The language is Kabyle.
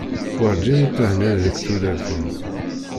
Werǧin i thennaḍ deg tudert-im.